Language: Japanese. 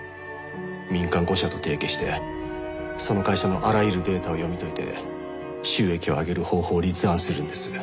民間５社と提携してその会社のあらゆるデータを読み解いて収益を上げる方法を立案するんです。